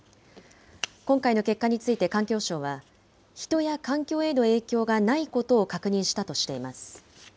今回の結果について環境省は、人や環境への影響がないことを確認したとしています。